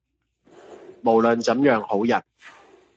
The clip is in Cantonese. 無論怎樣好人，